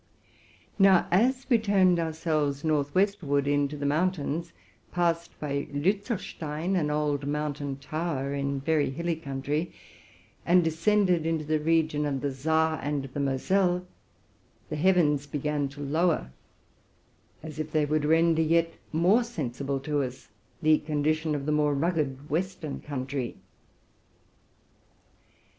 Now as we turned north westward into the mountains, passed by Lutzelstein, an old mountain tower, in a very hilly country, and descended into the region of the Saar and the Moselle, the heavens began to lower, as if they would render yet more sensible to us the condition of the more rug ged western country.